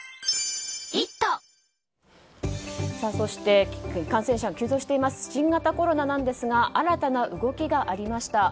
そして感染者が急増しています新型コロナですが新たな動きがありました。